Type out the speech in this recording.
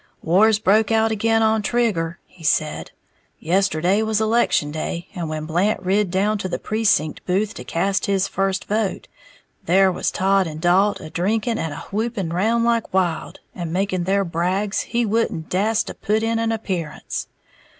"War's broke out again on Trigger," he said; "yesterday was election day, and when Blant rid down to the precinct booth to cast his first vote, there was Todd and Dalt a drinking and a whooping round like wild, and making their brags he wouldn't dast to put in an appearance.